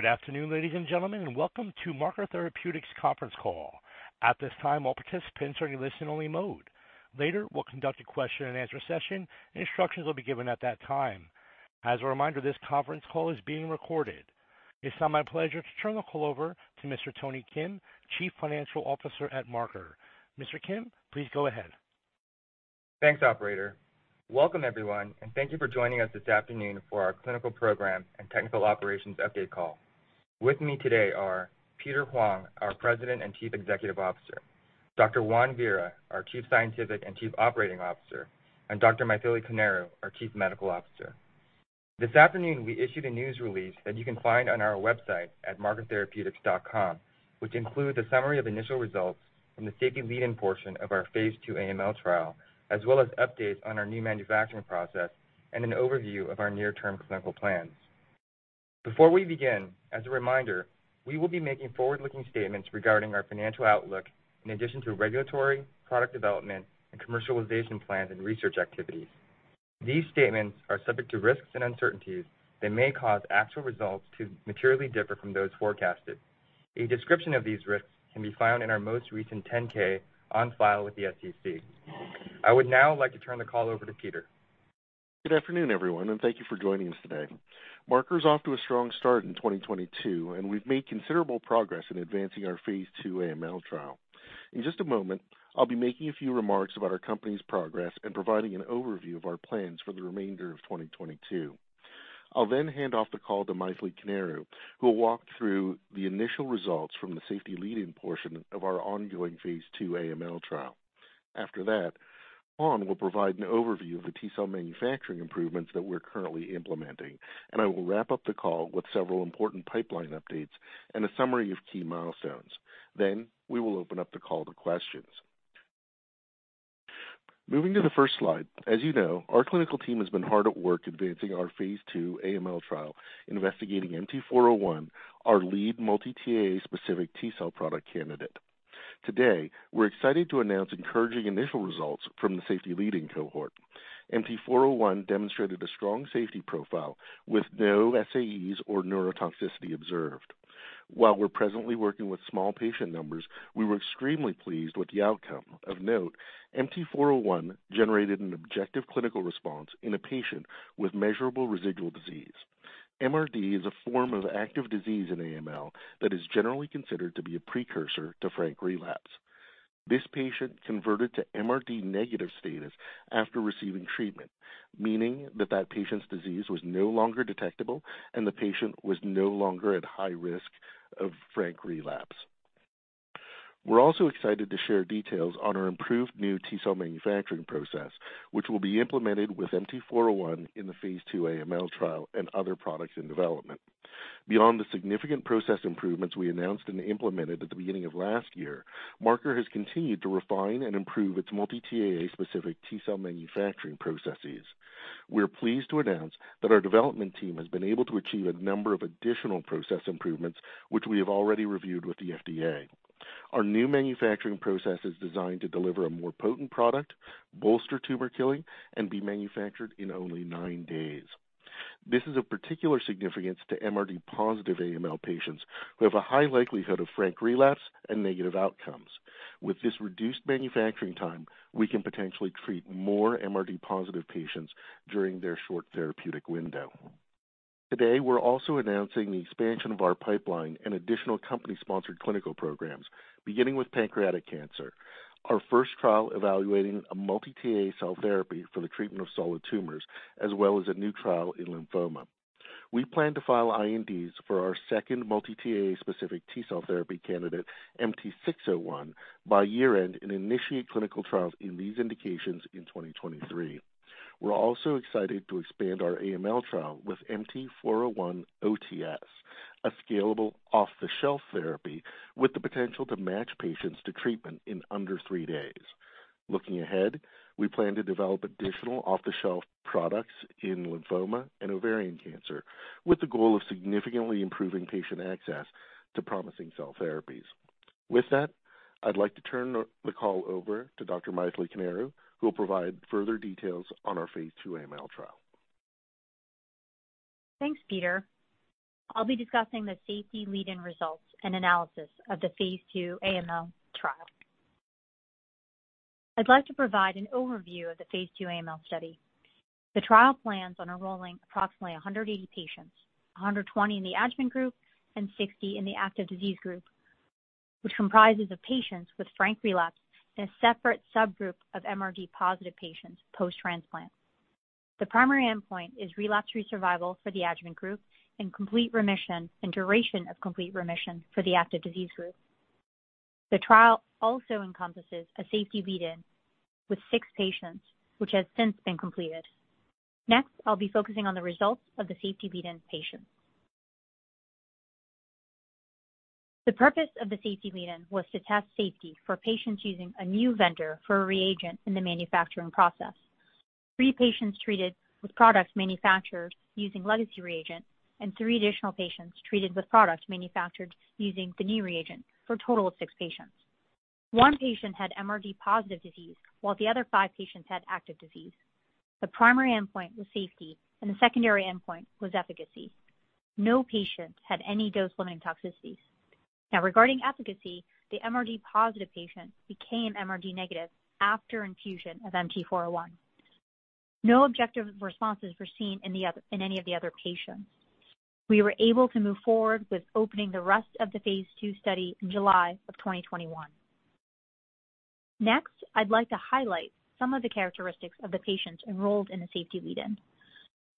Good afternoon, ladies and gentlemen, and welcome to Marker Therapeutics conference call. At this time, all participants are in listen-only mode. Later, we'll conduct a question and answer session. Instructions will be given at that time. As a reminder, this conference call is being recorded. It's now my pleasure to turn the call over to Mr. Tony Kim, Chief Financial Officer at Marker. Mr. Kim, please go ahead. Thanks, operator. Welcome everyone, and thank you for joining us this afternoon for our clinical program and technical operations update call. With me today are Peter L. Hoang, our President and Chief Executive Officer, Dr. Juan Vera, our Chief Scientific and Chief Operating Officer, and Dr. Mythili Koneru, our Chief Medical Officer. This afternoon we issued a news release that you can find on our website at markertherapeutics.com which includes a summary of initial results from the safety lead-in portion of our phase II AML trial, as well as updates on our new manufacturing process and an overview of our near-term clinical plans. Before we begin, as a reminder, we will be making forward-looking statements regarding our financial outlook, in addition to regulatory, product development, and commercialization plans and research activities. These statements are subject to risks and uncertainties that may cause actual results to materially differ from those forecasted. A description of these risks can be found in our most recent 10-K on file with the SEC. I would now like to turn the call over to Peter. Good afternoon, everyone, and thank you for joining us today. Marker Therapeutics is off to a strong start in 2022, and we've made considerable progress in advancing our phase II AML trial. In just a moment, I'll be making a few remarks about our company's progress and providing an overview of our plans for the remainder of 2022. I'll then hand off the call to Mythili Koneru, who will walk through the initial results from the safety lead-in portion of our ongoing phase II AML trial. After that, Juan Vera will provide an overview of the T cell manufacturing improvements that we're currently implementing, and I will wrap up the call with several important pipeline updates and a summary of key milestones. We will open up the call to questions. Moving to the first slide, as you know, our clinical team has been hard at work advancing our phase II AML trial investigating MT-401, our lead multi-TAA specific T cell product candidate. Today, we're excited to announce encouraging initial results from the safety lead-in cohort. MT-401 demonstrated a strong safety profile with no SAEs or neurotoxicity observed. While we're presently working with small patient numbers, we were extremely pleased with the outcome. Of note, MT-401 generated an objective clinical response in a patient with measurable residual disease. MRD is a form of active disease in AML that is generally considered to be a precursor to frank relapse. This patient converted to MRD negative status after receiving treatment, meaning that patient's disease was no longer detectable and the patient was no longer at high risk of frank relapse. We're also excited to share details on our improved new T cell manufacturing process, which will be implemented with MT-401 in the phase II AML trial and other products in development. Beyond the significant process improvements we announced and implemented at the beginning of last year, Marker has continued to refine and improve its multi-TAA specific T cell manufacturing processes. We're pleased to announce that our development team has been able to achieve a number of additional process improvements, which we have already reviewed with the FDA. Our new manufacturing process is designed to deliver a more potent product, bolster tumor killing, and be manufactured in only nine days. This is of particular significance to MRD positive AML patients who have a high likelihood of frank relapse and negative outcomes. With this reduced manufacturing time, we can potentially treat more MRD positive patients during their short therapeutic window. Today, we're also announcing the expansion of our pipeline and additional company-sponsored clinical programs, beginning with pancreatic cancer, our first trial evaluating a multi-TAA cell therapy for the treatment of solid tumors, as well as a new trial in lymphoma. We plan to file INDs for our second multi-TAA specific T cell therapy candidate, MT-601, by year-end and initiate clinical trials in these indications in 2023. We're also excited to expand our AML trial with MT-401-OTS, a scalable off-the-shelf therapy with the potential to match patients to treatment in under three days. Looking ahead, we plan to develop additional off-the-shelf products in lymphoma and ovarian cancer with the goal of significantly improving patient access to promising cell therapies. With that, I'd like to turn the call over to Dr. Mythili Koneru, who will provide further details on our phase II AML trial. Thanks, Peter. I'll be discussing the safety lead-in results and analysis of the phase II AML trial. I'd like to provide an overview of the phase II AML study. The trial plans on enrolling approximately 180 patients, 120 in the adjuvant group, and 60 in the active disease group, which comprises of patients with frank relapse in a separate subgroup of MRD positive patients post-transplant. The primary endpoint is relapse-free survival for the adjuvant group and complete remission and duration of complete remission for the active disease group. The trial also encompasses a safety lead-in with six patients, which has since been completed. Next, I'll be focusing on the results of the safety lead-in patients. The purpose of the safety lead-in was to test safety for patients using a new vendor for a reagent in the manufacturing process. Three patients treated with products manufactured using legacy reagent and three additional patients treated with products manufactured using the new reagent for a total of six patients. One patient had MRD positive disease, while the other five patients had active disease. The primary endpoint was safety, and the secondary endpoint was efficacy. No patient had any dose-limiting toxicities. Now, regarding efficacy, the MRD positive patient became MRD negative after infusion of MT-401. No objective responses were seen in the other, in any of the other patients. We were able to move forward with opening the rest of the phase II study in July 2021. Next, I'd like to highlight some of the characteristics of the patients enrolled in the safety lead-in.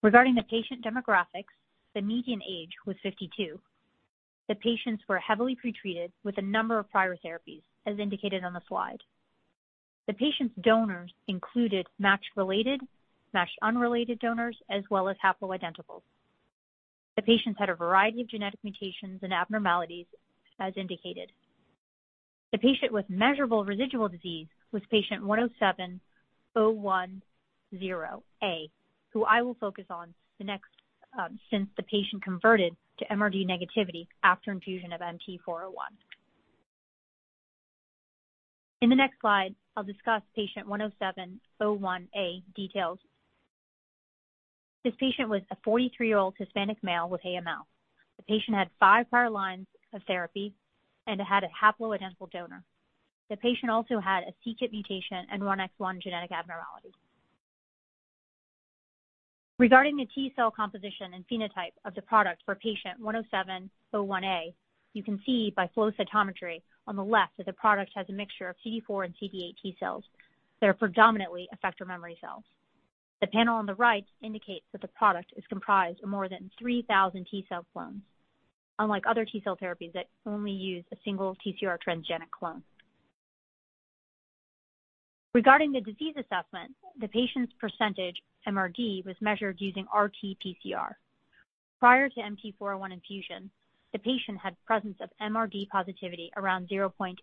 Regarding the patient demographics, the median age was 52. The patients were heavily pretreated with a number of prior therapies, as indicated on the slide. The patient's donors included matched related, matched unrelated donors, as well as haploidentical. The patients had a variety of genetic mutations and abnormalities, as indicated. The patient with measurable residual disease was patient 107-010A, who I will focus on next, since the patient converted to MRD negativity after infusion of MT-401. In the next slide, I'll discuss patient 107-01A details. This patient was a 43 year-old Hispanic male with AML. The patient had five prior lines of therapy and had a haploidentical donor. The patient also had a C-KIT mutation and RUNX1 genetic abnormality. Regarding the T cell composition and phenotype of the product for patient 107-01A, you can see by flow cytometry on the left that the product has a mixture of CD4 and CD8 T cells. They are predominantly effector memory cells. The panel on the right indicates that the product is comprised of more than 3,000 T cell clones, unlike other T cell therapies that only use a single TCR transgenic clone. Regarding the disease assessment, the patient's percentage MRD was measured using RT-PCR. Prior to MT-401 infusion, the patient had presence of MRD positivity around 0.8%.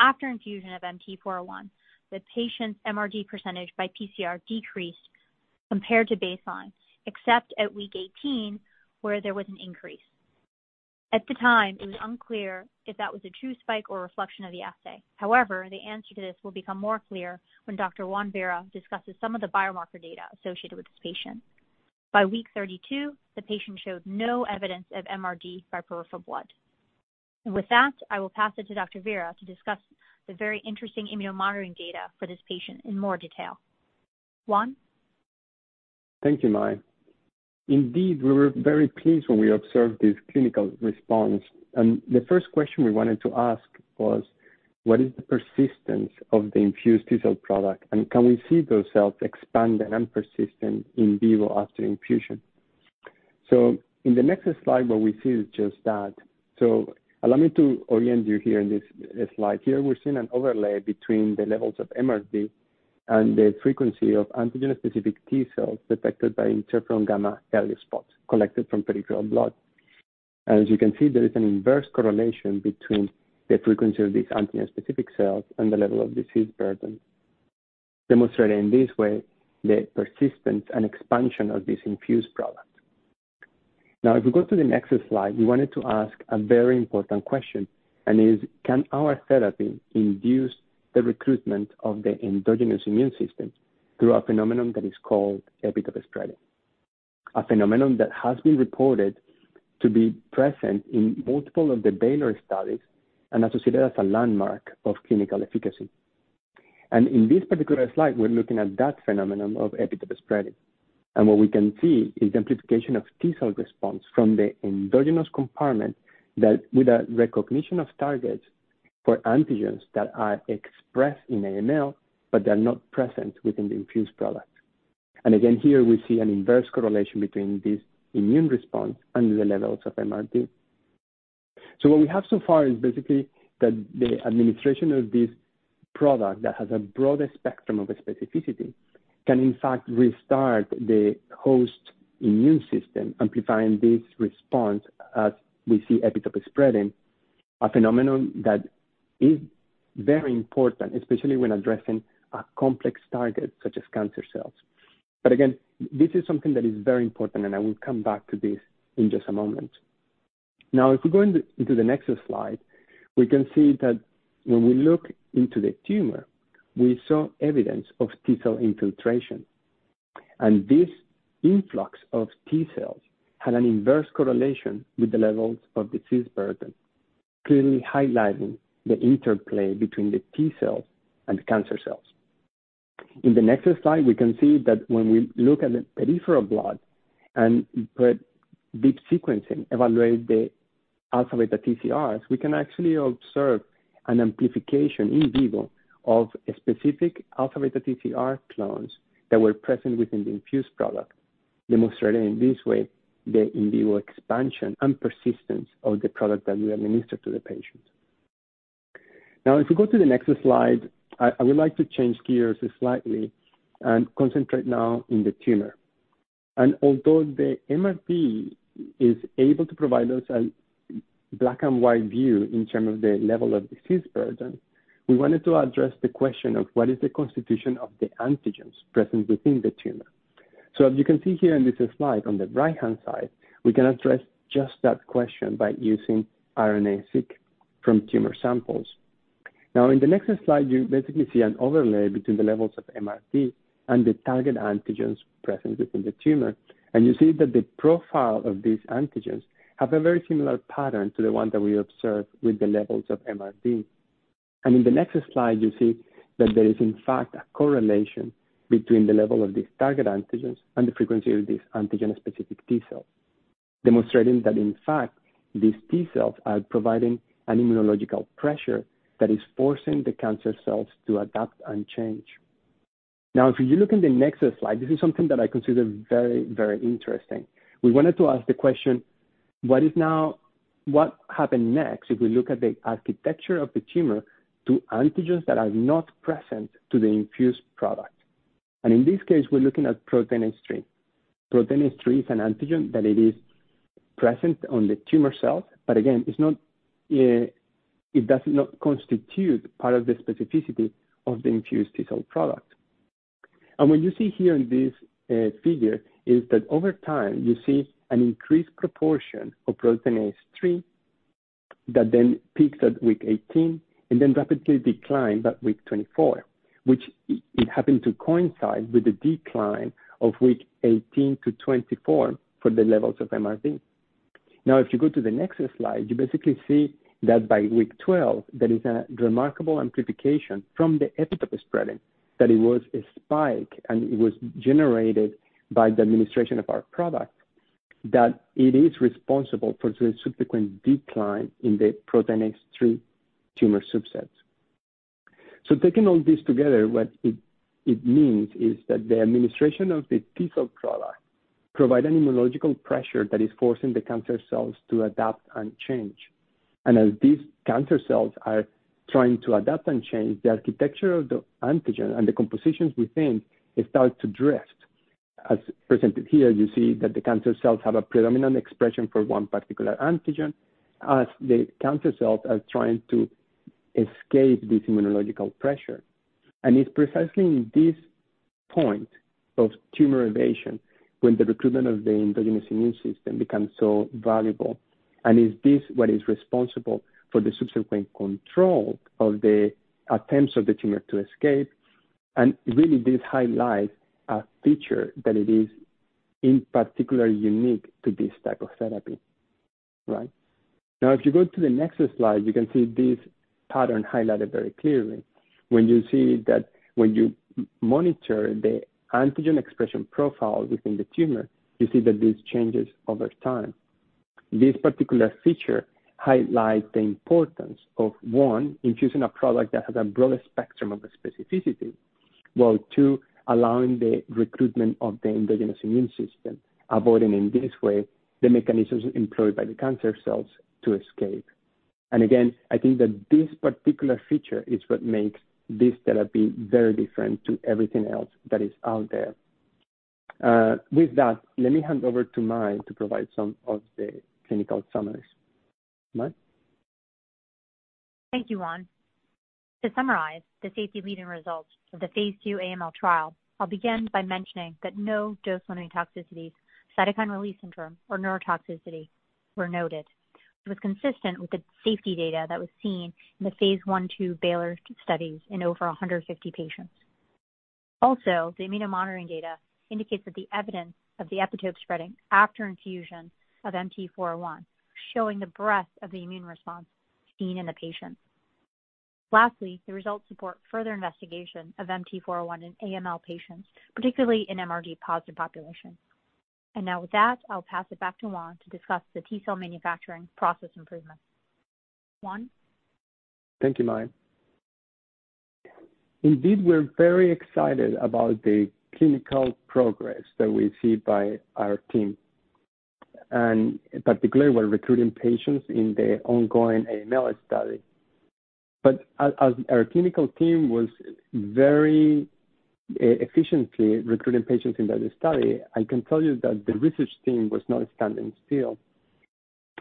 After infusion of MT-401, the patient's MRD percentage by PCR decreased compared to baseline, except at week 18, where there was an increase. At the time, it was unclear if that was a true spike or a reflection of the assay. However, the answer to this will become more clear when Dr. Juan Vera discusses some of the biomarker data associated with this patient. By week 32, the patient showed no evidence of MRD by peripheral blood. With that, I will pass it to Dr. Vera to discuss the very interesting immunomonitoring data for this patient in more detail. Juan? Thank you, Mai. Indeed, we were very pleased when we observed this clinical response, and the first question we wanted to ask was: What is the persistence of the infused T cell product, and can we see those cells expand and persistent in vivo after infusion? In the next slide, what we see is just that. Allow me to orient you here in this slide here. We're seeing an overlay between the levels of MRD and the frequency of antigen-specific T cells detected by interferon gamma ELISpot collected from peripheral blood. As you can see, there is an inverse correlation between the frequency of these antigen-specific cells and the level of disease burden, demonstrating this way the persistence and expansion of this infused product. Now, if we go to the next slide, we wanted to ask a very important question, and is: Can our therapy induce the recruitment of the endogenous immune system through a phenomenon that is called epitope spreading? A phenomenon that has been reported to be present in multiple of the Baylor studies and associated as a landmark of clinical efficacy. In this particular slide, we're looking at that phenomenon of epitope spreading. What we can see is the amplification of T cell response from the endogenous compartment, with a recognition of targets for antigens that are expressed in AML but are not present within the infused product. Again, here we see an inverse correlation between this immune response and the levels of MRD. What we have so far is basically that the administration of this product that has a broader spectrum of specificity can in fact restart the host immune system, amplifying this response as we see epitope spreading, a phenomenon that is very important, especially when addressing a complex target such as cancer cells. Again, this is something that is very important, and I will come back to this in just a moment. Now, if we go into the next slide, we can see that when we look into the tumor, we saw evidence of T cell infiltration. This influx of T cells had an inverse correlation with the levels of disease burden, clearly highlighting the interplay between the T cells and the cancer cells. In the next slide, we can see that when we look at the peripheral blood and put deep sequencing, evaluate the alpha beta TCRs, we can actually observe an amplification in vivo of specific alpha beta TCR clones that were present within the infused product, demonstrating in this way the in vivo expansion and persistence of the product that we administered to the patients. Now, if we go to the next slide, I would like to change gears slightly and concentrate now on the tumor. Although the MRD is able to provide us a black and white view in terms of the level of disease burden, we wanted to address the question of what is the constitution of the antigens present within the tumor? As you can see here in this slide on the right-hand side, we can address just that question by using RNA-Seq from tumor samples. Now in the next slide, you basically see an overlay between the levels of MRD and the target antigens present within the tumor. You see that the profile of these antigens have a very similar pattern to the one that we observe with the levels of MRD. In the next slide, you see that there is in fact a correlation between the level of these target antigens and the frequency of these antigen-specific T cells, demonstrating that in fact these T cells are providing an immunological pressure that is forcing the cancer cells to adapt and change. Now, if you look in the next slide, this is something that I consider very, very interesting. We wanted to ask the question, what happened next, if we look at the architecture of the tumor to antigens that are not present to the infused product, and in this case we're looking at Proteinase 3. Proteinase 3 is an antigen that it is present on the tumor cells, but again, it does not constitute part of the specificity of the infused T cell product. What you see here in this figure is that over time you see an increased proportion of Proteinase 3 that then peaks at week 18 and then rapidly decline by week 24, which it happened to coincide with the decline of week 18 to 24 for the levels of MRD. Now, if you go to the next slide, you basically see that by week 12 there is a remarkable amplification from the epitope spreading, that it was a spike and it was generated by the administration of our product that it is responsible for the subsequent decline in the Proteinase 3 tumor subsets. Taking all this together, what it means is that the administration of the T cell product provide an immunological pressure that is forcing the cancer cells to adapt and change. As these cancer cells are trying to adapt and change, the architecture of the antigen and the compositions within, it starts to drift. As presented here, you see that the cancer cells have a predominant expression for one particular antigen, as the cancer cells are trying to escape this immunological pressure. It's precisely in this point of tumor invasion when the recruitment of the endogenous immune system becomes so valuable. It's this what is responsible for the subsequent control of the attempts of the tumor to escape. Really this highlights a feature that it is in particular unique to this type of therapy. Right? Now, if you go to the next slide, you can see this pattern highlighted very clearly. When you see that when you monitor the antigen expression profile within the tumor, you see that this changes over time. This particular feature highlights the importance of, one, infusing a product that has a broader spectrum of specificity, while two, allowing the recruitment of the endogenous immune system, avoiding in this way the mechanisms employed by the cancer cells to escape. Again, I think that this particular feature is what makes this therapy very different to everything else that is out there. With that, let me hand over to Mai to provide some of the clinical summaries. Mai? Thank you, Juan. To summarize the safety leading results of the phase II AML trial, I'll begin by mentioning that no dose-limiting toxicities, cytokine release syndrome, or neurotoxicity were noted. It was consistent with the safety data that was seen in the phase I/II Baylor studies in over 150 patients. Also, the immunomonitoring data indicates that the evidence of the epitope spreading after infusion of MT-401, showing the breadth of the immune response seen in the patients. Lastly, the results support further investigation of MT-401 in AML patients, particularly in MRD-positive population. Now with that, I'll pass it back to Juan to discuss the T cell manufacturing process improvements. Juan? Thank you, Mai. Indeed, we're very excited about the clinical progress that we see by our team. In particular, we're recruiting patients in the ongoing AML study. As our clinical team was very efficiently recruiting patients into the study, I can tell you that the research team was not standing still.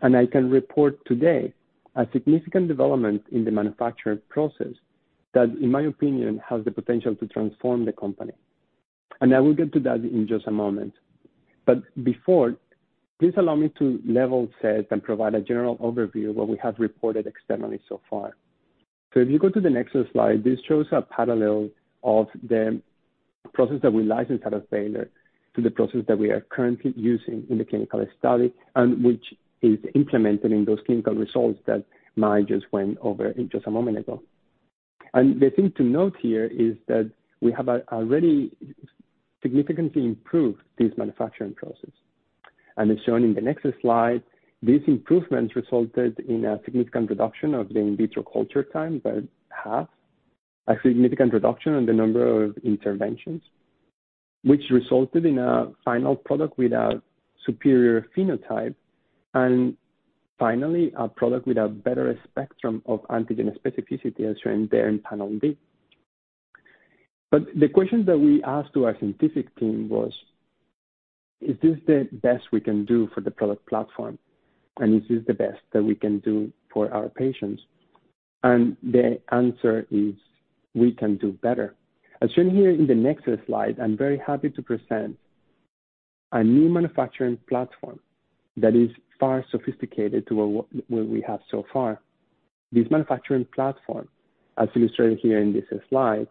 I can report today a significant development in the manufacturing process that, in my opinion, has the potential to transform the company. I will get to that in just a moment. Before, please allow me to level set and provide a general overview of what we have reported externally so far. If you go to the next slide, this shows a parallel of the process that we licensed out of Baylor to the process that we are currently using in the clinical study and which is implemented in those clinical results that Mai just went over just a moment ago. The thing to note here is that we have already significantly improved this manufacturing process. As shown in the next slide, these improvements resulted in a significant reduction of the in vitro culture time by half, a significant reduction in the number of interventions, which resulted in a final product with a superior phenotype. Finally, a product with a better spectrum of antigen specificity as shown there in panel B. The question that we asked to our scientific team was, is this the best we can do for the product platform? Is this the best that we can do for our patients? The answer is we can do better. As shown here in the next slide, I'm very happy to present a new manufacturing platform that is far more sophisticated than what we have so far. This manufacturing platform, as illustrated here in this slide,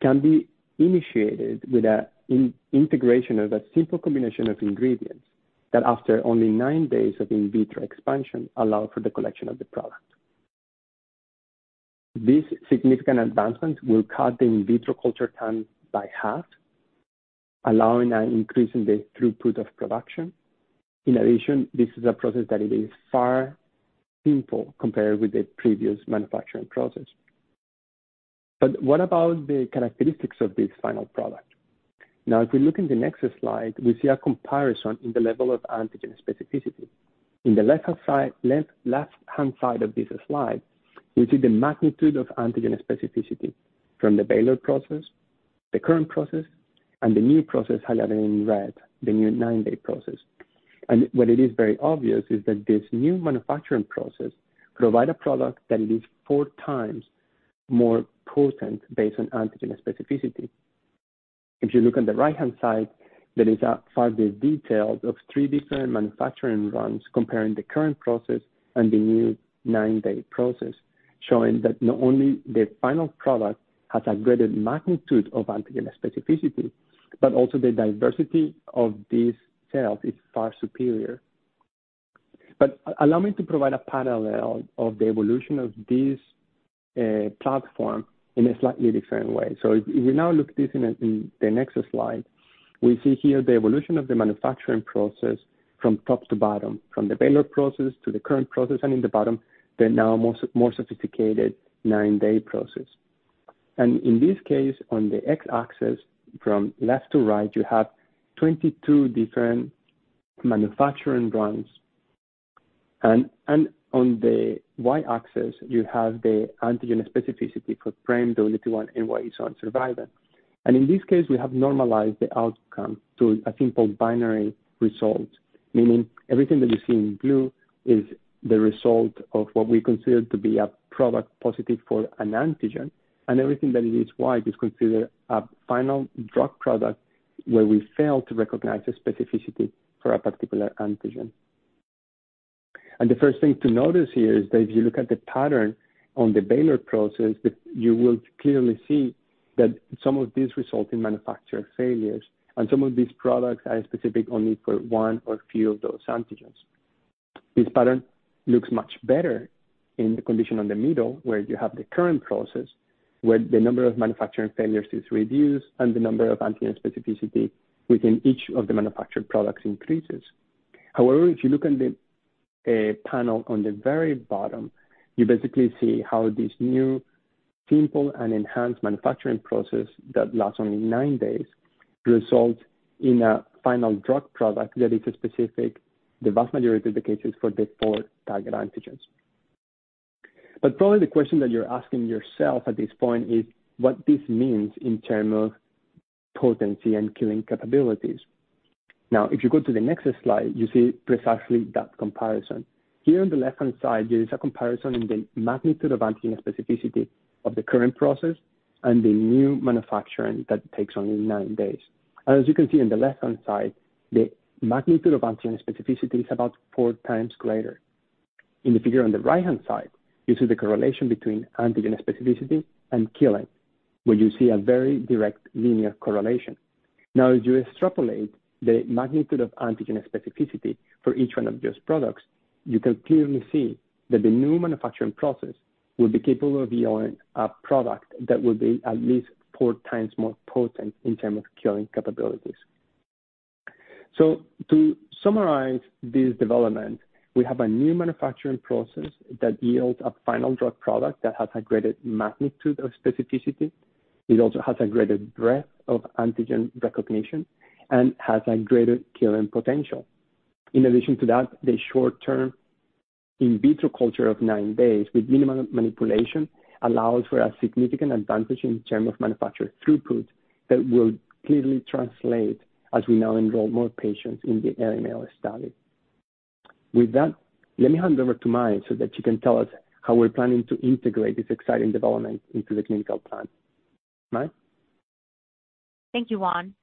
can be initiated with an integration of a simple combination of ingredients that after only nine days of in vitro expansion, allow for the collection of the product. This significant advancement will cut the in vitro culture time by half, allowing an increase in the throughput of production. In addition, this is a process that is far simpler compared with the previous manufacturing process. What about the characteristics of this final product? Now, if we look in the next slide, we see a comparison in the level of antigen specificity. On the left-hand side of this slide, we see the magnitude of antigen specificity from the Baylor process, the current process, and the new process highlighted in red, the new nine-day process. What is very obvious is that this new manufacturing process provides a product that is 4x more potent based on antigen specificity. If you look on the right-hand side, there is a further detail of three different manufacturing runs comparing the current process and the new nine-day process, showing that not only the final product has a greater magnitude of antigen specificity, but also the diversity of these cells is far superior. Allow me to provide a parallel of the evolution of this platform in a slightly different way. If you now look at this on the next slide, we see here the evolution of the manufacturing process from top to bottom, from the Baylor process to the current process, and in the bottom, the now more sophisticated nine-day process. In this case, on the x-axis from left to right, you have 22 different manufacturing runs. On the y-axis, you have the antigen specificity for PRAME, WT1, and NY-ESO-1, survivin. In this case, we have normalized the outcome to a simple binary result, meaning everything that you see in blue is the result of what we consider to be a product positive for an antigen, and everything that is white is considered a final drug product where we fail to recognize a specificity for a particular antigen. The first thing to notice here is that if you look at the pattern on the Baylor process, that you will clearly see that some of these result in manufacturing failures, and some of these products are specific only for one or few of those antigens. This pattern looks much better in the condition on the middle, where you have the current process, where the number of manufacturing failures is reduced and the number of antigen specificity within each of the manufactured products increases. However, if you look on the panel on the very bottom, you basically see how this new, simple, and enhanced manufacturing process that lasts only nine days results in a final drug product that is specific, the vast majority of the cases for the four target antigens. Probably the question that you're asking yourself at this point is what this means in terms of potency and killing capabilities. Now, if you go to the next slide, you see precisely that comparison. Here on the left-hand side, there is a comparison in the magnitude of antigen specificity of the current process and the new manufacturing that takes only nine days. As you can see on the left-hand side, the magnitude of antigen specificity is about 4x greater. In the figure on the right-hand side, you see the correlation between antigen specificity and killing, where you see a very direct linear correlation. Now, as you extrapolate the magnitude of antigen specificity for each one of these products, you can clearly see that the new manufacturing process will be capable of yielding a product that will be at least 4x more potent in terms of killing capabilities. To summarize this development, we have a new manufacturing process that yields a final drug product that has a greater magnitude of specificity. It also has a greater breadth of antigen recognition and has a greater killing potential. In addition to that, the short-term in vitro culture of nine days with minimal manipulation allows for a significant advantage in terms of manufacturing throughput that will clearly translate as we now enroll more patients in the AML study. With that, let me hand over to Mythili so that she can tell us how we're planning to integrate this exciting development into the clinical plan. Mythili? Thank you, Juan.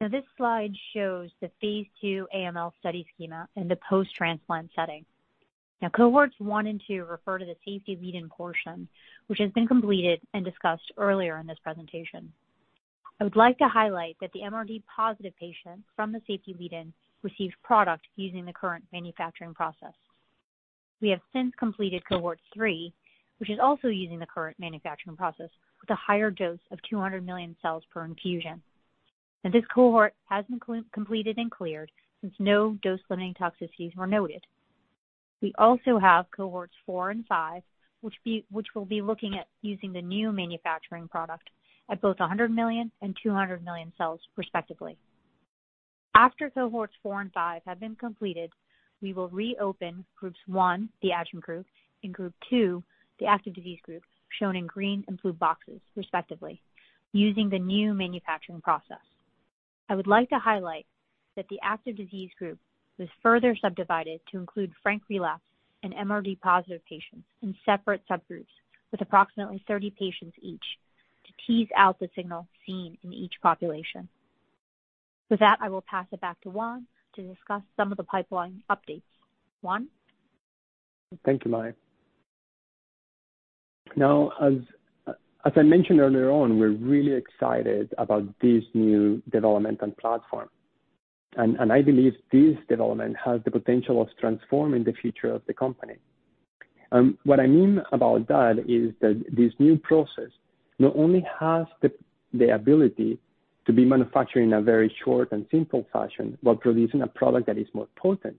This slide shows the phase II AML study schema in the post-transplant setting. Cohorts one and two refer to the safety lead-in portion, which has been completed and discussed earlier in this presentation. I would like to highlight that the MRD-positive patient from the safety lead-in received product using the current manufacturing process. We have since completed cohort three, which is also using the current manufacturing process with a higher dose of 200 million cells per infusion. This cohort has been completed and cleared since no dose-limiting toxicities were noted. We also have cohorts four and five, which we'll be looking at using the new manufacturing product at both 100 million and 200 million cells respectively. After cohorts four and five have been completed, we will reopen groups one, the adjunct group, and group two, the active disease group, shown in green and blue boxes respectively, using the new manufacturing process. I would like to highlight that the active disease group was further subdivided to include frank relapse and MRD positive patients in separate subgroups with approximately 30 patients each, to tease out the signal seen in each population. With that, I will pass it back to Juan to discuss some of the pipeline updates. Juan? Thank you, Mai. Now, as I mentioned earlier on, we're really excited about this new development and platform. I believe this development has the potential of transforming the future of the company. What I mean about that is that this new process not only has the ability to be manufactured in a very short and simple fashion while producing a product that is more potent,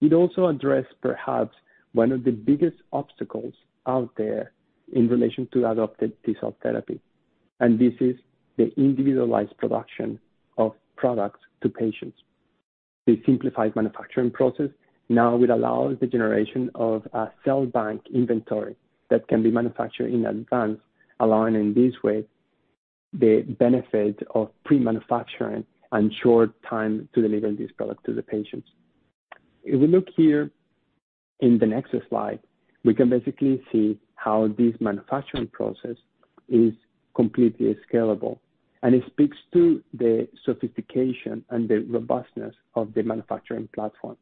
it also address perhaps one of the biggest obstacles out there in relation to adoptive T cell therapy. This is the individualized production of products to patients. The simplified manufacturing process now will allow the generation of a cell bank inventory that can be manufactured in advance, allowing in this way the benefit of pre-manufacturing and short time to deliver this product to the patients. If we look here in the next slide, we can basically see how this manufacturing process is completely scalable, and it speaks to the sophistication and the robustness of the manufacturing platform.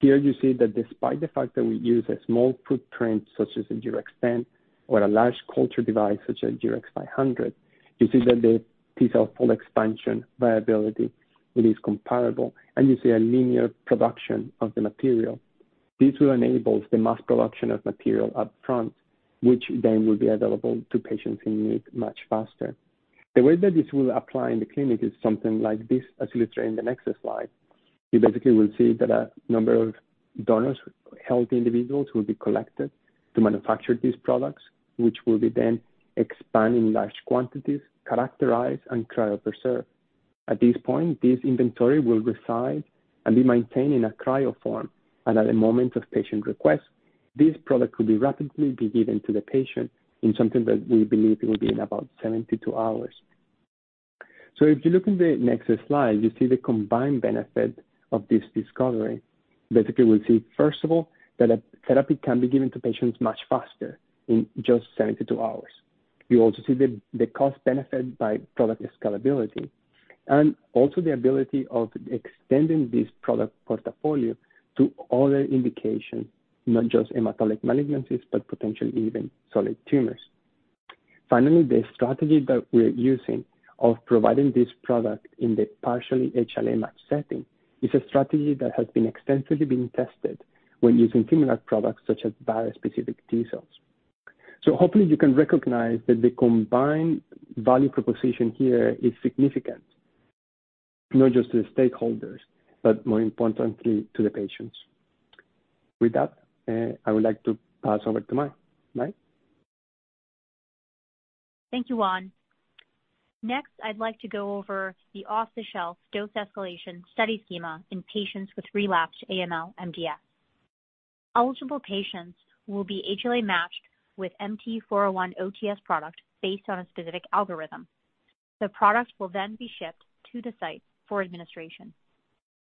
Here you see that despite the fact that we use a small footprint such as a G-Rex 10 or a large culture device such as G-Rex 500, you see that the T cell fold expansion viability it is comparable, and you see a linear production of the material. This will enable the mass production of material up front, which then will be available to patients in need much faster. The way that this will apply in the clinic is something like this, as illustrated in the next slide. You basically will see that a number of donors, healthy individuals, will be collected to manufacture these products, which will be then expanded in large quantities, characterized and cryopreserved. At this point, this inventory will reside and be maintained in a cryo form, and at a moment of patient request, this product will be rapidly given to the patient in something that we believe will be in about 72 hours. If you look in the next slide, you see the combined benefit of this discovery. Basically, we see first of all, that a therapy can be given to patients much faster in just 72 hours. You also see the cost benefit by product scalability and also the ability of extending this product portfolio to other indications, not just hematologic malignancies, but potentially even solid tumors. Finally, the strategy that we're using of providing this product in the partially HLA match setting is a strategy that has been extensively being tested when using similar products such as bispecific T cells. Hopefully you can recognize that the combined value proposition here is significant, not just to the stakeholders, but more importantly to the patients. With that, I would like to pass over to Mai. Mai? Thank you, Juan. Next, I'd like to go over the off-the-shelf dose escalation study schema in patients with relapsed AML MDS. Eligible patients will be HLA matched with MT-401-OTS product based on a specific algorithm. The product will then be shipped to the site for administration.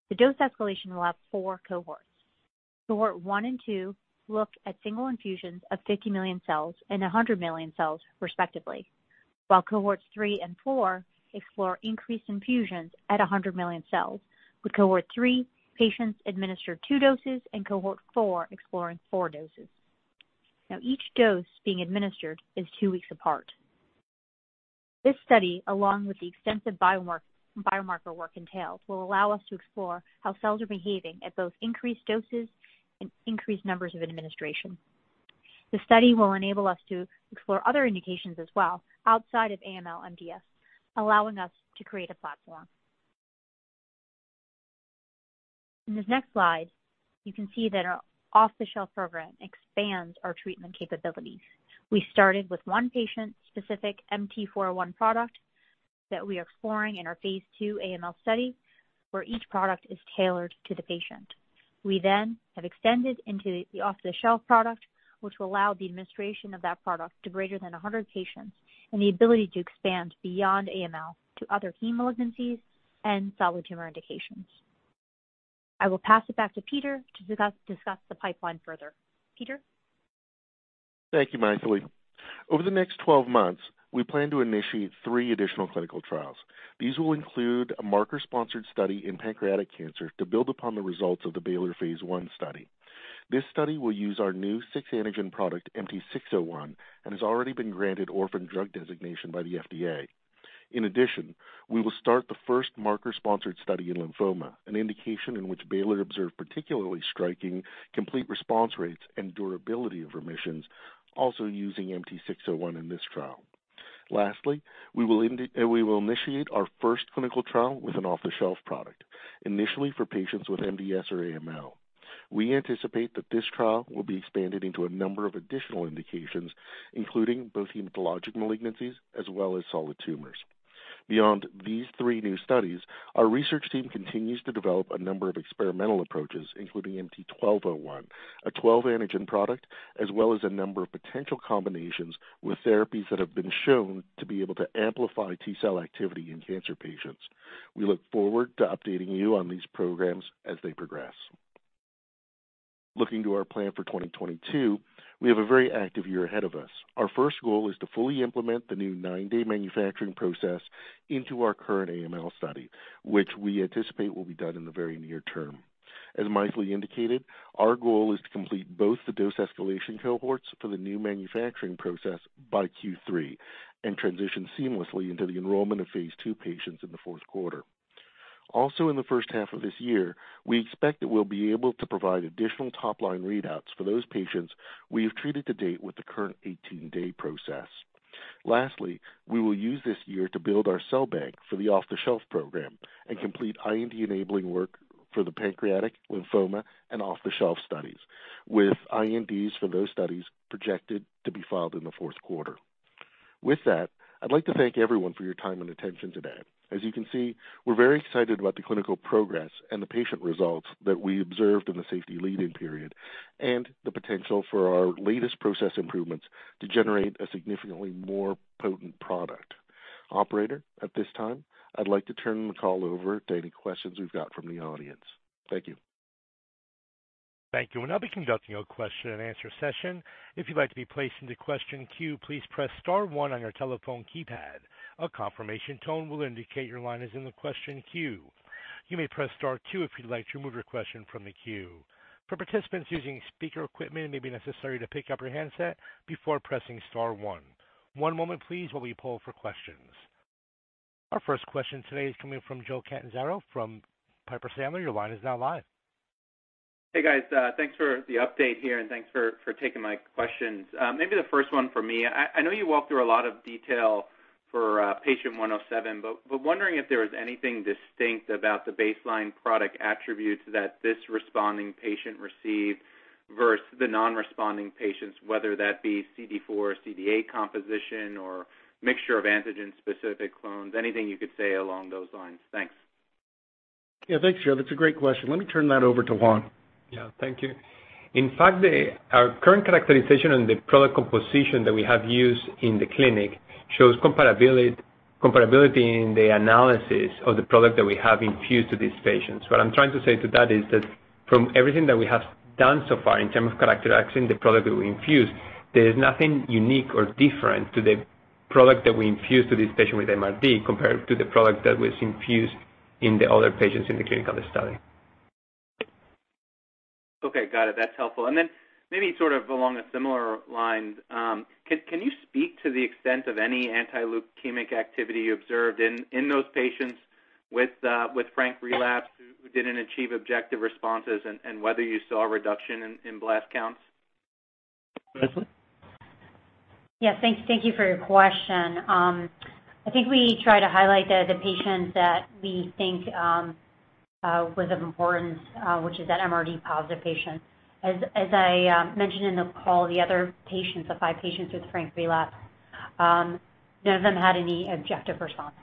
The dose escalation will have four cohorts. Cohort one and two look at single infusions of 50 million cells and 100 million cells, respectively. While cohorts three and four explore increased infusions at 100 million cells, with cohort three patients administered two doses and cohort four exploring four doses. Now each dose being administered is two weeks apart. This study, along with the extensive biomarker work entailed, will allow us to explore how cells are behaving at both increased doses and increased numbers of administration. The study will enable us to explore other indications as well outside of AML MDS, allowing us to create a platform. In this next slide, you can see that our off-the-shelf program expands our treatment capabilities. We started with one patient-specific MT-401 product that we are exploring in our phase II AML study, where each product is tailored to the patient. We then have extended into the off-the-shelf product, which will allow the administration of that product to greater than 100 patients and the ability to expand beyond AML to other heme malignancies and solid tumor indications. I will pass it back to Peter to discuss the pipeline further. Peter? Thank you, Mythili Koneru. Over the next 12 months, we plan to initiate three additional clinical trials. These will include a Marker-sponsored study in pancreatic cancer to build upon the results of the Baylor phase I study. This study will use our new six-antigen product, MT-601, and has already been granted Orphan Drug Designation by the FDA. In addition, we will start the first Marker-sponsored study in lymphoma, an indication in which Baylor observed particularly striking complete response rates and durability of remissions also using MT-601 in this trial. Lastly, we will initiate our first clinical trial with an off-the-shelf product, initially for patients with MDS or AML. We anticipate that this trial will be expanded into a number of additional indications, including both hematologic malignancies as well as solid tumors. Beyond these three new studies, our research team continues to develop a number of experimental approaches, including MT-1201, a twelve-antigen product, as well as a number of potential combinations with therapies that have been shown to be able to amplify T cell activity in cancer patients. We look forward to updating you on these programs as they progress. Looking to our plan for 2022, we have a very active year ahead of us. Our first goal is to fully implement the new nine day manufacturing process into our current AML study, which we anticipate will be done in the very near term. As Mythili indicated, our goal is to complete both the dose escalation cohorts for the new manufacturing process by Q3 and transition seamlessly into the enrollment of phase II patients in the Q4. Also, in the first half of this year, we expect that we'll be able to provide additional top-line readouts for those patients we have treated to date with the current 18 day process. Lastly, we will use this year to build our cell bank for the off-the-shelf program and complete IND-enabling work for the pancreatic, lymphoma, and off-the-shelf studies with INDs for those studies projected to be filed in the Q4. With that, I'd like to thank everyone for your time and attention today. As you can see, we're very excited about the clinical progress and the patient results that we observed in the safety lead-in period and the potential for our latest process improvements to generate a significantly more potent product. Operator, at this time, I'd like to turn the call over to any questions we've got from the audience. Thank you. Thank you. I'll be conducting your question and answer session. If you'd like to be placed into question queue, please press star one on your telephone keypad. A confirmation tone will indicate your line is in the question queue. You may press star two if you'd like to remove your question from the queue. For participants using speaker equipment, it may be necessary to pick up your handset before pressing star one. One moment please, while we poll for questions. Our first question today is coming from Joseph Catanzaro from Piper Sandler. Your line is now live. Hey, guys, thanks for the update here, and thanks for taking my questions. Maybe the first one for me. I know you walked through a lot of detail for patient 107, but wondering if there was anything distinct about the baseline product attributes that this responding patient received versus the non-responding patients, whether that be CD4 or CD8 composition or mixture of antigen-specific clones. Anything you could say along those lines. Thanks. Yeah. Thanks, Joe. That's a great question. Let me turn that over to Juan. Yeah. Thank you. In fact, our current characterization and the product composition that we have used in the clinic shows comparability in the analysis of the product that we have infused to these patients. What I'm trying to say to that is that from everything that we have done so far in terms of characterizing the product that we infuse, there is nothing unique or different to the product that we infuse to this patient with MRD compared to the product that was infused in the other patients in the clinical study. Okay, got it. That's helpful. Maybe sort of along a similar line, can you speak to the extent of any anti-leukemic activity you observed in those patients with frank relapse who didn't achieve objective responses and whether you saw a reduction in blast counts? Mythili? Yeah. Thank you for your question. I think we try to highlight the patients that we think was of importance, which is that MRD positive patient. As I mentioned in the call, the other patients, the five patients with frank relapse, none of them had any objective response.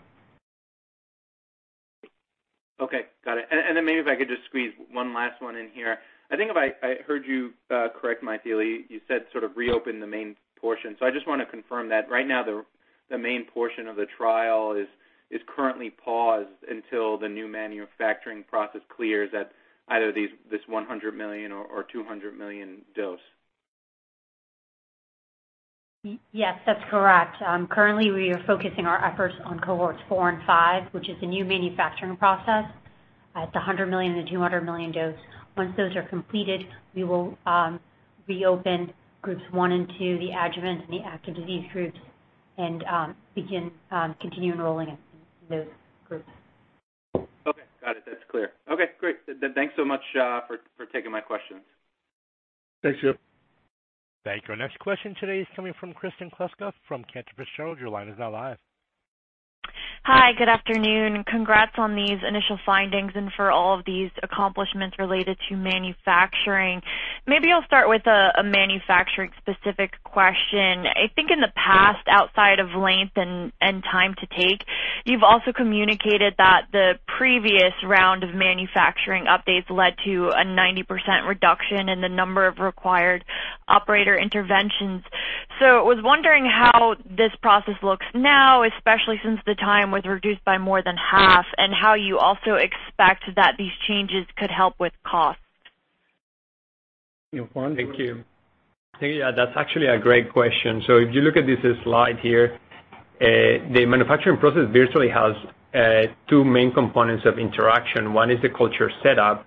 Okay, got it. Then maybe if I could just squeeze one last one in here. I think if I heard you correctly, Mythili, you said sort of reopen the main portion. I just wanna confirm that right now the main portion of the trial is currently paused until the new manufacturing process clears at either this 100 million or 200 million dose. Yes, that's correct. Currently we are focusing our efforts on cohorts four and five, which is the new manufacturing process at the 100 million and the 200 million dose. Once those are completed, we will reopen groups one and two, the adjuvant and the active disease groups, and continue enrolling in those groups. Okay, got it. That's clear. Okay, great. Thanks so much for taking my questions. Thanks, Joe. Thank you. Our next question today is coming from Kristen Kluska from Cantor Fitzgerald. Your line is now live. Hi, good afternoon. Congrats on these initial findings and for all of these accomplishments related to manufacturing. Maybe I'll start with a manufacturing-specific question. I think in the past, outside of length and time to take, you've also communicated that the previous round of manufacturing updates led to a 90% reduction in the number of required operator interventions. I was wondering how this process looks now, especially since the time was reduced by more than half, and how you also expect that these changes could help with costs. Juan? Thank you. Yeah, that's actually a great question. If you look at this slide here, the manufacturing process virtually has two main components of interaction. One is the culture setup,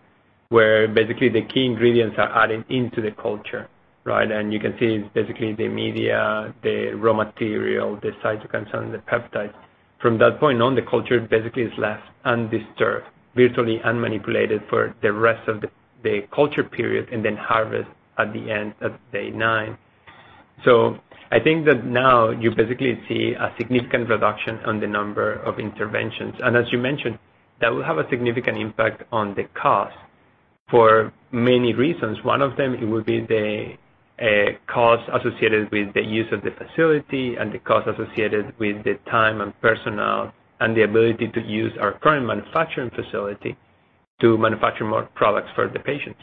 where basically the key ingredients are added into the culture, right? You can see it's basically the media, the raw material, the cytokines, and the peptides. From that point on, the culture basically is left undisturbed, virtually unmanipulated for the rest of the culture period, and then harvest at the end at day nine. I think that now you basically see a significant reduction on the number of interventions. As you mentioned, that will have a significant impact on the cost for many reasons. One of them, it would be the cost associated with the use of the facility and the cost associated with the time and personnel and the ability to use our current manufacturing facility to manufacture more products for the patients.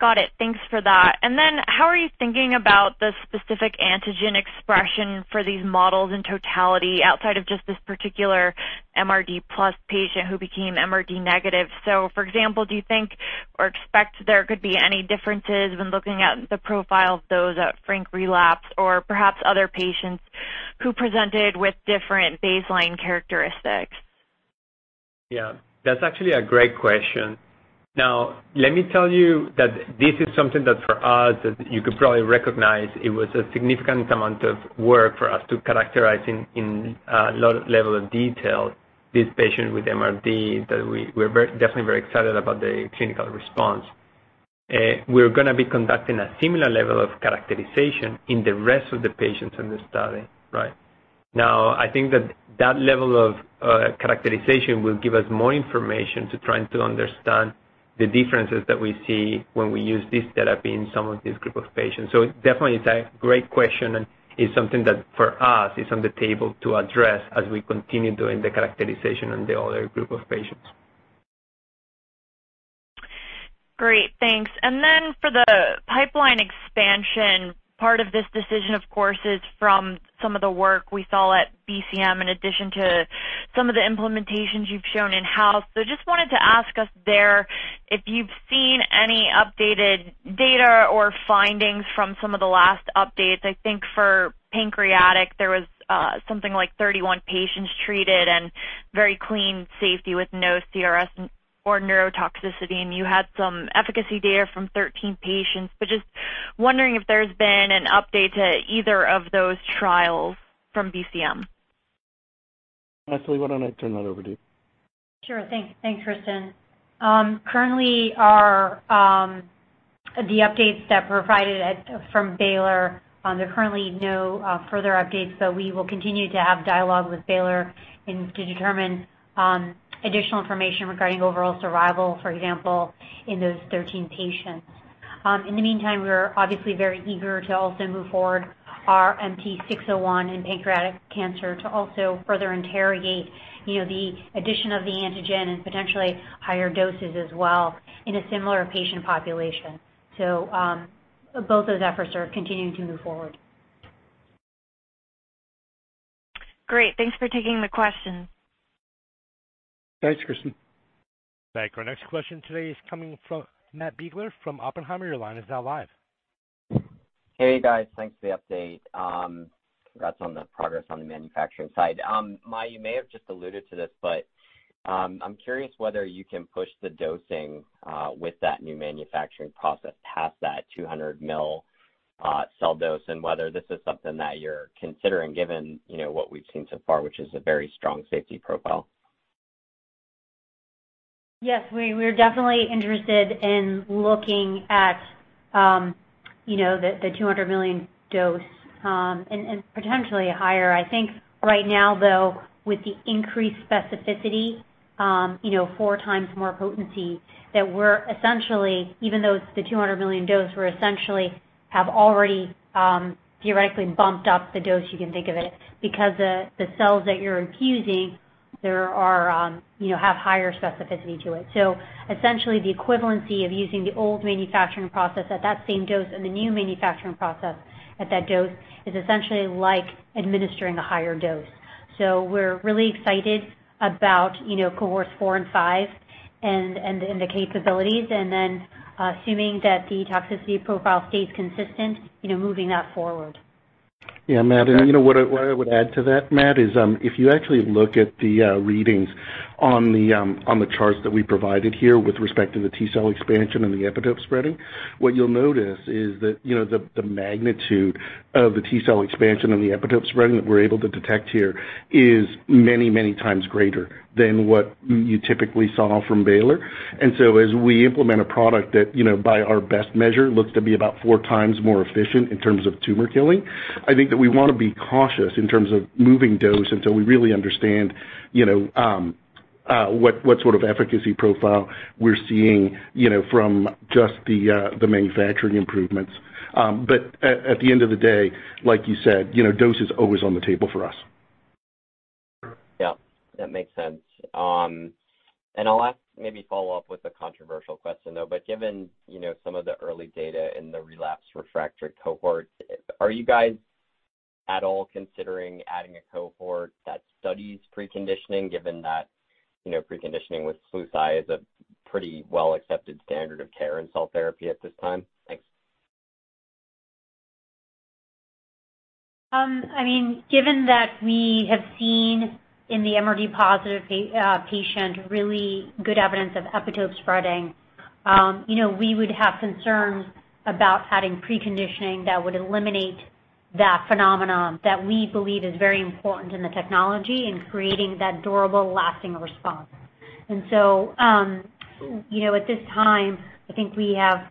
Got it. Thanks for that. How are you thinking about the specific antigen expression for these models in totality outside of just this particular MRD plus patient who became MRD negative? For example, do you think or expect there could be any differences when looking at the profile of those at frank relapse or perhaps other patients who presented with different baseline characteristics? Yeah, that's actually a great question. Now, let me tell you that this is something that for us, you could probably recognize it was a significant amount of work for us to characterize in a lot of level of detail this patient with MRD, that we're definitely very excited about the clinical response. We're gonna be conducting a similar level of characterization in the rest of the patients in this study. Right? Now, I think that level of characterization will give us more information to trying to understand the differences that we see when we use this therapy in some of these group of patients. Definitely it's a great question and it's something that for us is on the table to address as we continue doing the characterization on the other group of patients. Great. Thanks. For the pipeline expansion, part of this decision of course is from some of the work we saw at BCM in addition to some of the implementations you've shown in-house. Just wanted to ask you there if you've seen any updated data or findings from some of the last updates. I think for pancreatic there was something like 31 patients treated and very clean safety with no CRS or neurotoxicity, and you had some efficacy data from 13 patients, but just wondering if there's been an update to either of those trials from BCM. Mythili Koneru, why don't I turn that over to you? Sure. Thanks, Kristen. The updates that were provided from Baylor, there are currently no further updates, but we will continue to have dialogue with Baylor and to determine additional information regarding overall survival, for example, in those 13 patients. In the meantime, we're obviously very eager to also move forward our MT-601 in pancreatic cancer to also further interrogate, you know, the addition of the antigen and potentially higher doses as well in a similar patient population. Both those efforts are continuing to move forward. Great. Thanks for taking the question. Thanks, Kristen. Thank you. Our next question today is coming from Matt Biegler from Oppenheimer. Your line is now live. Hey, guys. Thanks for the update. Congrats on the progress on the manufacturing side. Mythili, you may have just alluded to this, but I'm curious whether you can push the dosing with that new manufacturing process past that 200 million cell dose, and whether this is something that you're considering given, you know, what we've seen so far, which is a very strong safety profile. Yes, we're definitely interested in looking at, you know, the 200 million dose, and potentially higher. I think right now though, with the increased specificity, you know, 4x more potency, that we're essentially, even though it's the 200 million dose, we're essentially have already, theoretically bumped up the dose you can think of it because the cells that you're infusing, you know, have higher specificity to it. So essentially, the equivalency of using the old manufacturing process at that same dose and the new manufacturing process at that dose is essentially like administering a higher dose. So we're really excited about, you know, cohorts four and five and the capabilities, and then, assuming that the toxicity profile stays consistent, you know, moving that forward. Yeah. Matt, you know what I would add to that, Matt, is, if you actually look at the readings on the charts that we provided here with respect to the T cell expansion and the epitope spreading, what you'll notice is that, you know, the magnitude of the T cell expansion and the epitope spreading that we're able to detect here is many times greater than what you typically saw from Baylor. As we implement a product that, you know, by our best measure looks to be about 4x more efficient in terms of tumor killing, I think that we wanna be cautious in terms of moving dose until we really understand, you know, what sort of efficacy profile we're seeing, you know, from just the manufacturing improvements. At the end of the day, like you said, you know, dose is always on the table for us. Yeah, that makes sense. I'll ask, maybe follow up with a controversial question, though, but given, you know, some of the early data in the relapse refractory cohorts, are you guys at all considering adding a cohort that studies preconditioning given that, you know, preconditioning with fludarabine is a pretty well accepted standard of care in cell therapy at this time? Thanks. I mean, given that we have seen in the MRD positive patient really good evidence of epitope spreading, you know, we would have concerns about adding preconditioning that would eliminate that phenomenon that we believe is very important in the technology in creating that durable lasting response. At this time, I think we have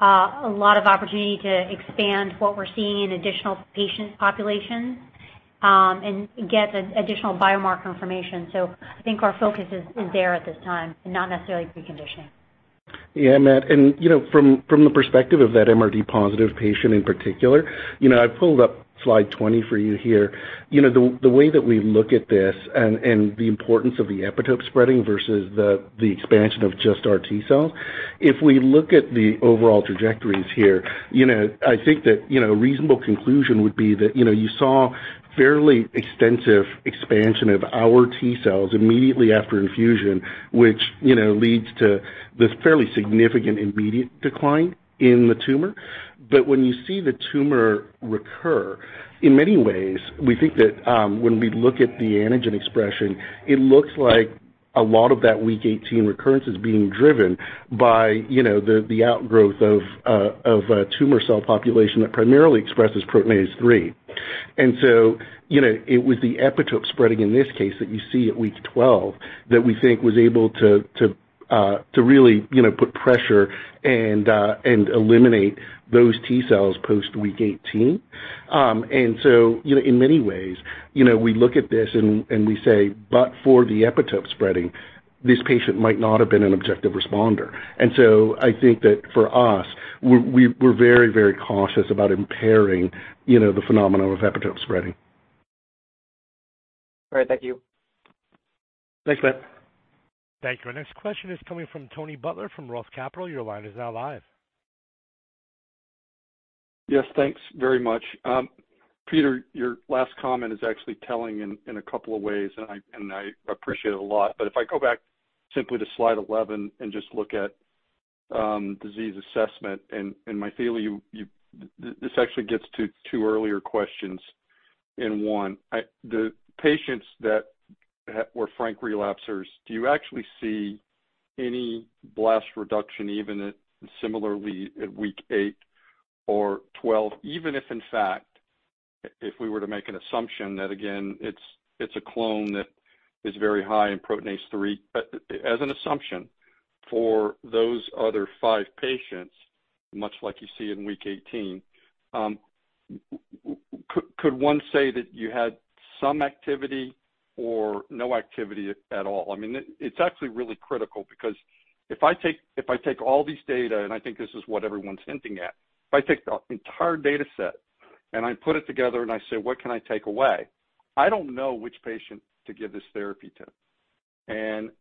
a lot of opportunity to expand what we're seeing in additional patient populations, and get additional biomarker information. I think our focus is there at this time and not necessarily preconditioning. Yeah, Matt, you know, from the perspective of that MRD positive patient in particular, you know, I pulled up slide 20 for you here. You know, the way that we look at this and the importance of the epitope spreading versus the expansion of just our T cells. If we look at the overall trajectories here, you know, I think that reasonable conclusion would be that, you know, you saw fairly extensive expansion of our T cells immediately after infusion, which, you know, leads to this fairly significant immediate decline in the tumor. When you see the tumor recur, in many ways, we think that, when we look at the antigen expression, it looks like a lot of that week 18 recurrence is being driven by, you know, the outgrowth of a tumor cell population that primarily expresses Proteinase 3. You know, it was the epitope spreading in this case that you see at week 12 that we think was able to to really, you know, put pressure and eliminate those T cells post week 18. You know, in many ways, you know, we look at this and we say, "But for the epitope spreading, this patient might not have been an objective responder." I think that for us, we're very, very cautious about impairing, you know, the phenomenon of epitope spreading. All right. Thank you. Thanks, Matt. Thank you. Our next question is coming from Tony Butler from Roth Capital. Your line is now live. Yes, thanks very much. Peter, your last comment is actually telling in a couple of ways, and I appreciate it a lot. If I go back simply to slide 11 and just look at disease assessment, and Mythili. This actually gets to two earlier questions in one. The patients that were frank relapsers, do you actually see any blast reduction even at similarly at week eight or 12, even if in fact, if we were to make an assumption that again, it's a clone that is very high in Proteinase 3. As an assumption for those other five patients, much like you see in week 18, could one say that you had some activity or no activity at all? I mean, it's actually really critical because if I take all these data, and I think this is what everyone's hinting at, if I take the entire data set and I put it together and I say, what can I take away? I don't know which patient to give this therapy to.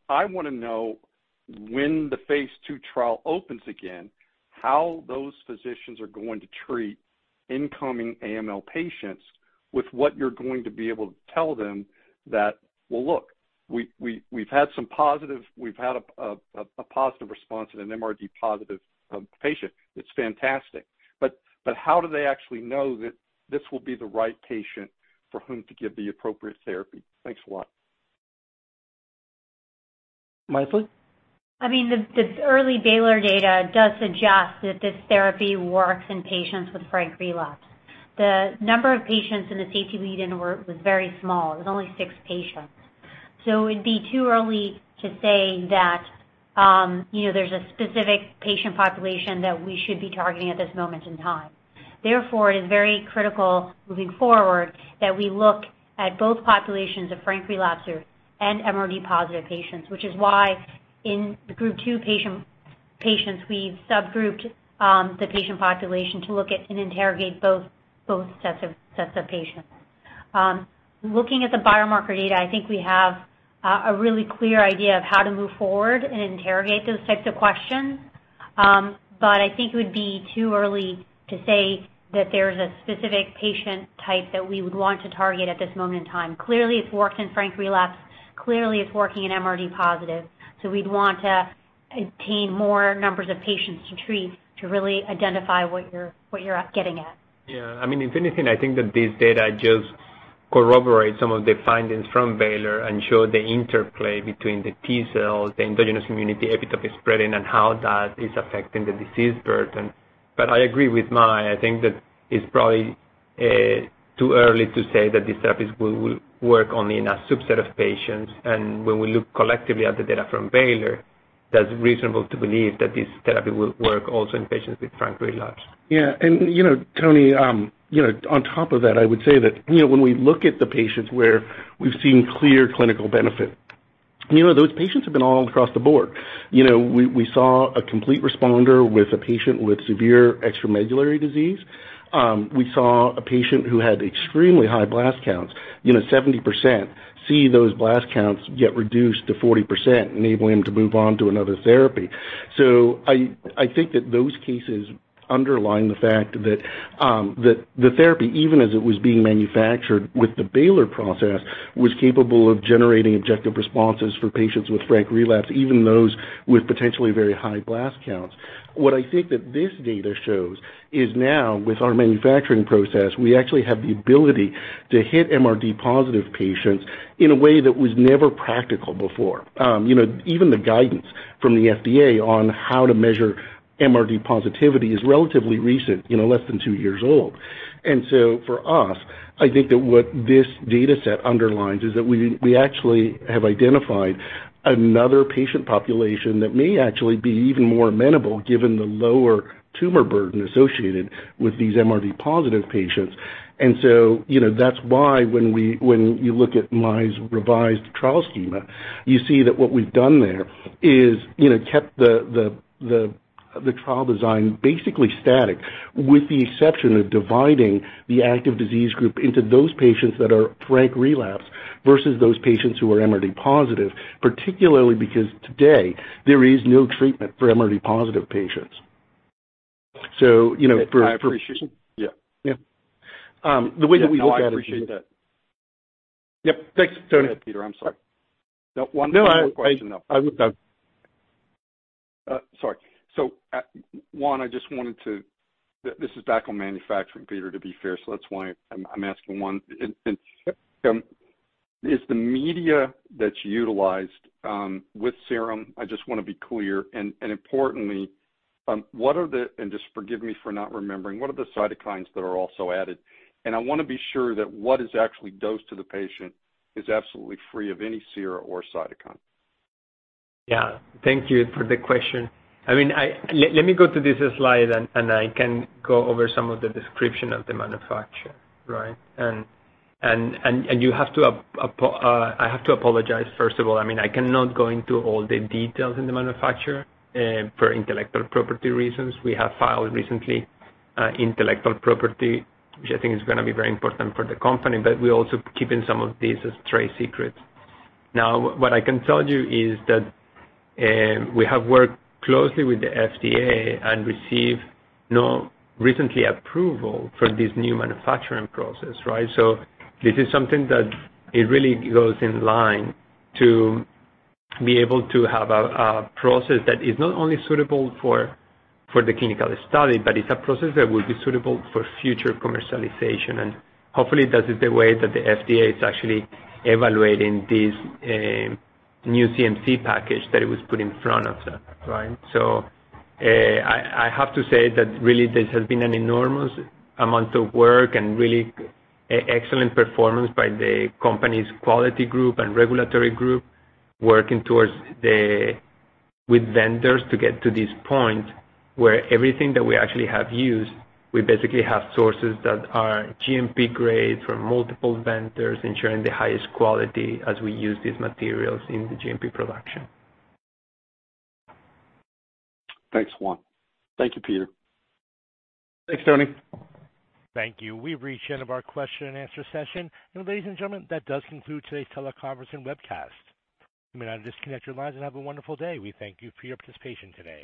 I wanna know when the phase II trial opens again, how those physicians are going to treat incoming AML patients with what you're going to be able to tell them that, well, look, we've had some positive. We've had a positive response in an MRD positive patient. It's fantastic. How do they actually know that this will be the right patient for whom to give the appropriate therapy? Thanks a lot. Mythili? I mean, the early Baylor data does suggest that this therapy works in patients with frank relapse. The number of patients in the CTP Eden was very small. It was only six patients. It would be too early to say that, you know, there's a specific patient population that we should be targeting at this moment in time. Therefore, it is very critical moving forward that we look at both populations of frank relapser and MRD positive patients, which is why in the group two patients, we've subgrouped the patient population to look at and interrogate both sets of patients. Looking at the biomarker data, I think we have a really clear idea of how to move forward and interrogate those types of questions. I think it would be too early to say that there's a specific patient type that we would want to target at this moment in time. Clearly, it's worked in frank relapse. Clearly, it's working in MRD positive. We'd want to obtain more numbers of patients to treat to really identify what you're getting at. Yeah. I mean, if anything, I think that this data just corroborates some of the findings from Baylor ensuring the interplay between the T cells, the endogenous immunity, epitope spreading, and how that is affecting the disease burden. I agree with Mai. I think that it's probably too early to say that this therapy will work only in a subset of patients. When we look collectively at the data from Baylor, that's reasonable to believe that this therapy will work also in patients with frank relapse. Yeah. You know, Tony, you know, on top of that, I would say that, you know, when we look at the patients where we've seen clear clinical benefit, you know, those patients have been all across the board. You know, we saw a complete responder with a patient with severe extramedullary disease. We saw a patient who had extremely high blast counts, you know, 70%, see those blast counts get reduced to 40%, enabling him to move on to another therapy. I think that those cases underline the fact that the therapy, even as it was being manufactured with the Baylor process, was capable of generating objective responses for patients with frank relapse, even those with potentially very high blast counts. What I think that this data shows is now with our manufacturing process, we actually have the ability to hit MRD positive patients in a way that was never practical before. You know, even the guidance from the FDA on how to measure MRD positivity is relatively recent, you know, less than two years old. For us, I think that what this data set underlines is that we actually have identified another patient population that may actually be even more amenable given the lower tumor burden associated with these MRD positive patients. You know, that's why when you look at Mai's revised trial schema, you see that what we've done there is, you know, kept the trial design basically static, with the exception of dividing the active disease group into those patients that are frank relapse versus those patients who are MRD positive, particularly because today there is no treatment for MRD positive patients. You know, for- I appreciate. Yeah. Yeah. The way that we look at it. No, I appreciate that. Yep. Thanks, Tony. Peter, I'm sorry. One more question, though. No, I. Juan, this is back on manufacturing, Peter, to be fair, so that's why I'm asking Juan. Is the media that's utilized with serum? I just wanna be clear, and importantly, just forgive me for not remembering, what are the cytokines that are also added? I wanna be sure that what is actually dosed to the patient is absolutely free of any serum or cytokine. Yeah. Thank you for the question. I mean, let me go to this slide, and I have to apologize, first of all. I mean, I cannot go into all the details in the manufacturing, for intellectual property reasons. We have filed recently intellectual property, which I think is gonna be very important for the company, but we're also keeping some of these as trade secrets. Now, what I can tell you is that, we have worked closely with the FDA and received recent approval for this new manufacturing process, right? This is something that it really goes in line to be able to have a process that is not only suitable for the clinical study, but it's a process that will be suitable for future commercialization. Hopefully that is the way that the FDA is actually evaluating this new CMC package that it was put in front of them, right? I have to say that really this has been an enormous amount of work and really excellent performance by the company's quality group and regulatory group working with vendors to get to this point where everything that we actually have used, we basically have sources that are GMP-grade from multiple vendors, ensuring the highest quality as we use these materials in the GMP production. Thanks, Juan. Thank you, Peter. Thanks, Tony. Thank you. We've reached the end of our question and answer session. Ladies and gentlemen, that does conclude today's teleconference and webcast. You may now disconnect your lines and have a wonderful day. We thank you for your participation today.